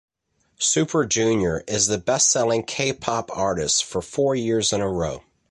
Super Junior is the best-selling K-pop artist for four years in a row.